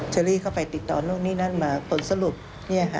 เชอรี่เข้าไปติดต่อนู่นนี่นั่นมาผลสรุปเนี่ยค่ะ